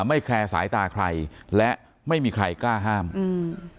ไม่แคร์สายตาใครและไม่มีใครกล้าห้ามอืม